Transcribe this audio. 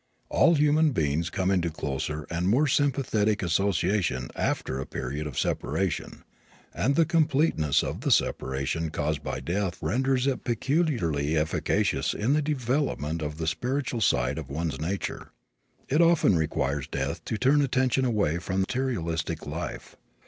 All human beings come into closer and more sympathetic association after a period of separation, and the completeness of the separation caused by death renders it peculiarly efficacious in the development of the spiritual side of one's nature. It often requires death to turn attention away from materialistic life.